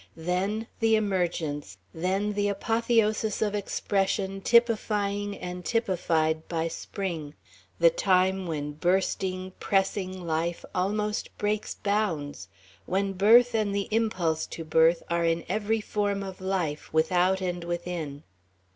Then the emergence, then the apotheosis of expression typifying and typified by Spring the time when bursting, pressing life almost breaks bounds, when birth and the impulse to birth are in every form of life, without and within.